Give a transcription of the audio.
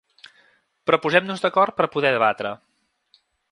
Però posem-nos d’acord per poder debatre.